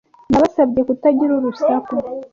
Nabasabye kutagira urusaku.